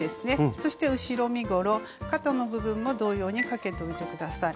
そして後ろ身ごろ肩の部分も同様にかけておいて下さい。